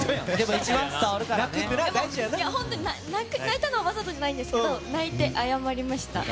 本当に泣いたのはわざとじゃないんですけど泣いて謝りました。